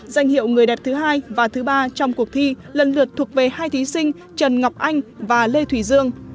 danh hiệu người đẹp thứ hai và thứ ba trong cuộc thi lần lượt thuộc về hai thí sinh trần ngọc anh và lê thủy dương